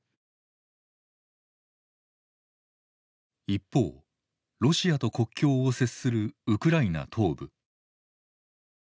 一方ロシアと国境を接するウクライナ東部。